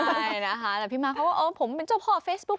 ใช่นะคะแต่พี่มาร์คเขาว่าผมเป็นเจ้าพ่อเฟสบุ๊ค